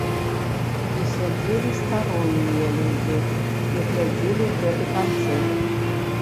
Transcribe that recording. І сядзелі староннія людзі і глядзелі гэты канцэрт.